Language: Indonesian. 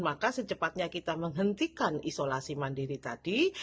maka secepatnya kita menghentikan isolasi mandiri tadi